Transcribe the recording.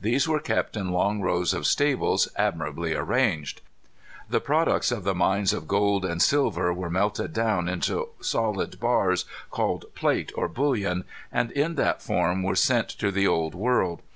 These were kept in long rows of stables admirably arranged. The products of the mines of gold and silver were melted down into solid bars called plate or bullion, and in that form were sent to the Old World.